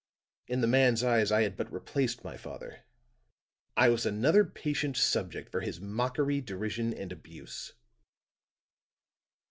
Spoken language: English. In the man's eyes, I had but replaced my father; I was another patient subject for his mockery, derision and abuse.